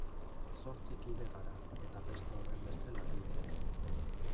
Zortzi kide gara eta beste horrenbeste langile.